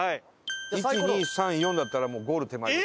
１２３「４」だったらゴール手前です。